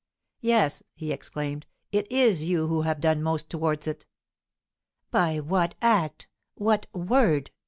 "Yes," he exclaimed, "it is you who have done most towards it!" "By what act? what word?"